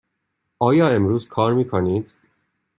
آیا امروز کار می کنید؟